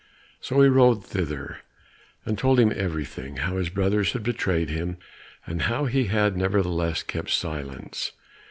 So he rode thither, and told him everything; how his brothers had betrayed him, and how he had nevertheless kept silence.